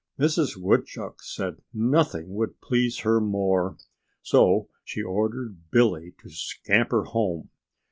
Mrs. Woodchuck said that nothing would please her more. So she ordered Billy to scamper home.